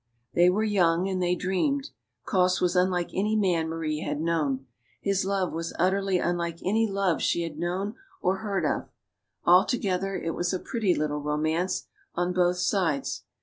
They were young, and they dreamed. Cosse was unlike any man Marie had known. His love was utter ly unlike any love she had known or heard of. Alto gether, it was a pretty little romance, on both sides.